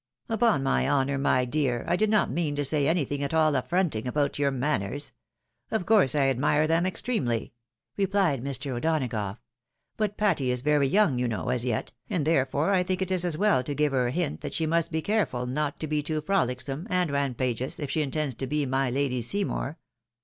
." Upon my honour, my dear, I did not mean to say anything at all affronting about your manners. Of course I admire them extremely!" replied Mr. O'Donagough. "But Patty is very q2 260 THE WIDOW MARRIED. young, you know, as yet, and therefore I think it is as well to give her a hint that she must be careful not to be too frolic some and rampageous if she intends to be my Lady Seymour.